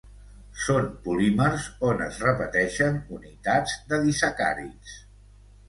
Són polímers on es repeteixen unitats de disacàrids.